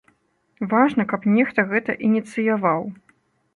Важна, каб нехта гэта ініцыяваў.